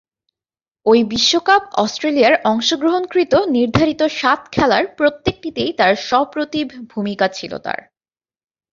ঐ বিশ্বকাপ অস্ট্রেলিয়ার অংশগ্রহণকৃত নির্ধারিত সাত খেলার প্রত্যেকটিতেই তার সপ্রতিভ ভূমিকা ছিল তার।